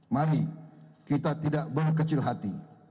mari kita tidak berkecil hati